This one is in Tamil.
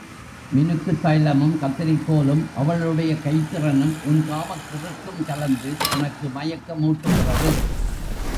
மினுக்குத் தைலமும் கத்திரிக்கோலும், அவளுடைய கைத்திறனும், உன் காமக்கிறுக்கும் கலந்து உனக்கு மயக்க மூட்டுகிறது!